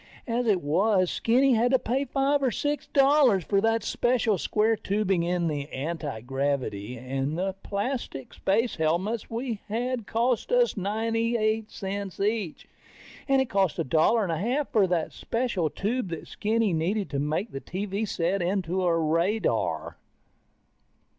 As it was, Skinny had to pay five or six dollars for that special square tubing in the antigravity, and the plastic space helmets we had cost us ninety eight cents each. And it cost a dollar and a half for the special tube that Skinny needed to make the TV set into a radar.